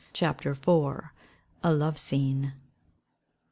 _" CHAPTER IV. _A Love Scene.